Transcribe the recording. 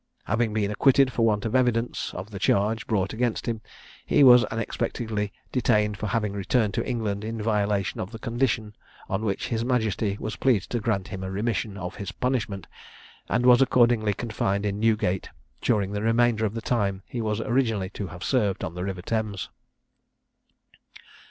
Having been acquitted for want of evidence of the charge brought against him, he was unexpectedly detained for having returned to England in violation of the condition on which his majesty was pleased to grant him a remission of his punishment, and was accordingly confined in Newgate during the remainder of the time that he was originally to have served on the river Thames.